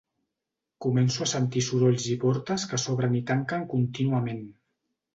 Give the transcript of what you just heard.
Començo a sentir sorolls i portes que s’obren i tanquen contínuament.